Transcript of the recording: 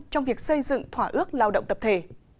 trong việc xây dựng thỏa ước lao động tập thể